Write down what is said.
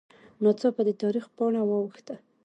ناڅاپه د تاریخ پاڼه واوښته